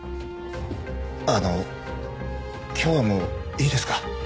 あの今日はもういいですか？